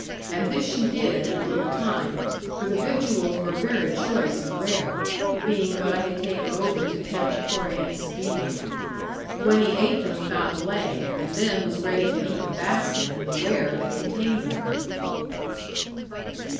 And this she did in a little time; for the victuals were very choice and rare, being what I had taken over to tempt poor Aunt Sabina. Gwenny ate them without delay, and then was ready to eat the basket and the ware that contained them.